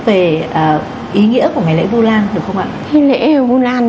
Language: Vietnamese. về ý nghĩa của ngày lễ vu lan được không ạ